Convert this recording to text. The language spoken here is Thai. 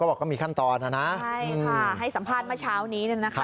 ก็รับแล้วก็ทำให้สงสาร